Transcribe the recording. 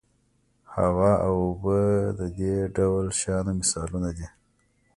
هوا او اوبه د دې ډول شیانو مثالونه دي.